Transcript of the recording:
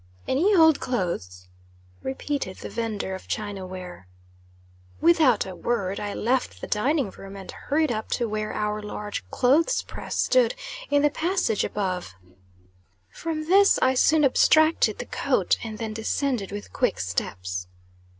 "Any old clothes?" repeated the vender of china ware. Without a word I left the dining room, and hurried up to where our large clothes press stood, in the passage above. From this I soon abstracted the coat, and then descended with quick steps.